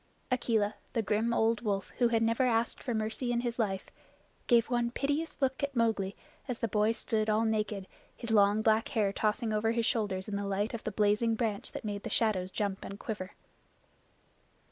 Akela, the grim old wolf who had never asked for mercy in his life, gave one piteous look at Mowgli as the boy stood all naked, his long black hair tossing over his shoulders in the light of the blazing branch that made the shadows jump and quiver.